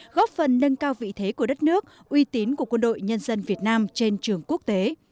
góp phần nâng cao vị thế của đất nước uy tín của quân đội nhân dân việt nam trên trường quốc tế